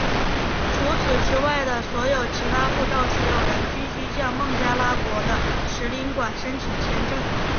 除此之外的所有其他护照持有人均须向孟加拉国的使领馆申请签证。